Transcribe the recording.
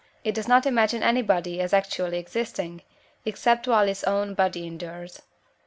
it does not imagine any body as actually existing, except while its own body endures.